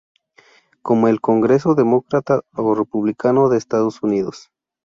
Como el "Congreso demócrata" o "republicano" de Estados Unidos.